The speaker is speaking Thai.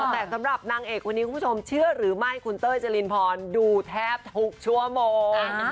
แต่สำหรับนางเอกวันนี้คุณผู้ชมเชื่อหรือไม่คุณเต้ยจรินพรดูแทบทุกชั่วโมง